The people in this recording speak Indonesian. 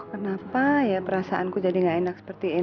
kenapa ya perasaanku jadi gak enak seperti ini